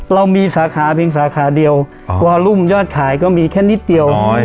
เรามีสาขาเพียงสาขาเดียววอลุ่มยอดขายก็มีแค่นิดเดียว